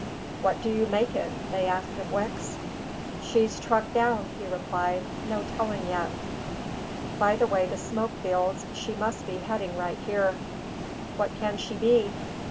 "What do you make it?" they asked of Wicks. "She's truck down," he replied; "no telling yet. By the way the smoke builds, she must be heading right here." "What can she be?"